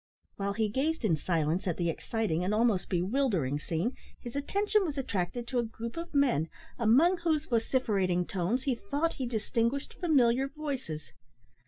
While he gazed in silence at the exciting and almost bewildering scene, his attention was attracted to a group of men, among whose vociferating tones he thought he distinguished familiar voices.